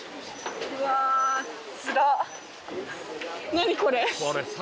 何これ。